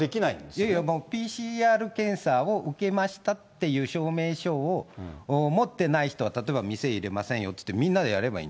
いやいや、ＰＣＲ検査を受けましたっていう証明書を持ってない人は、例えば店入れませんよっていって、みんなでやればいい。